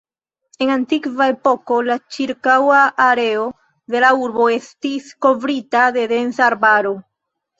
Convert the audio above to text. En antikva epoko la ĉirkaŭa areo de la urbo estis kovrita de densa arbaro.